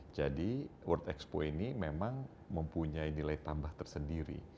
jadi world expo ini memang mempunyai nilai tambah tersendiri